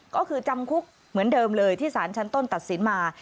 ก็คือจำคุกเหมือนเดิมเลยที่สารชั้นต้นตัดสินมา